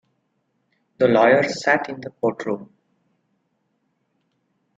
The lawyer sat in the courtroom.